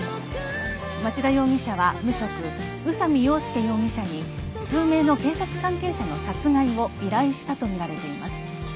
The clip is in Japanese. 町田容疑者は無職宇佐美洋介容疑者に数名の警察関係者の殺害を依頼したとみられています。